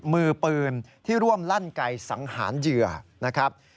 มือปืนที่ร่วมลั่นไก่สังหารเหยื่อนะครับ